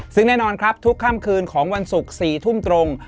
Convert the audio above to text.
ซึ่งแน่นอนครับทุกค่ำคืนของวันศุกร์๔ทุ่มตรง